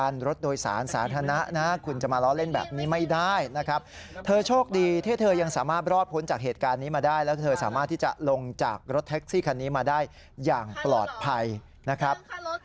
รถแท็กซี่คันนี้มาได้อย่างปลอดภัยนะครับ